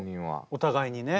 お互いにね。